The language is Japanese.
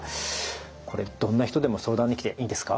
これどんな人でも相談に来ていいんですか？